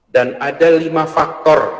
dan ada lima faktor